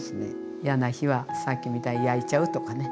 イヤな日はさっきみたいに焼いちゃうとかね。